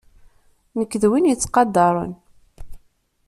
Nekk d win yettqadaren.